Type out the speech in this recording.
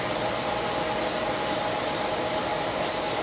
ต้องเติมเนี่ย